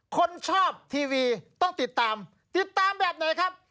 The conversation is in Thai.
คนชอบทีวีต้องติดตามติดตามแบบไหนครับ